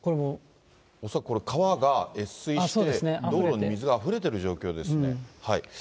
恐らくこれ、川が越水して、道路に水があふれてる状況ですね。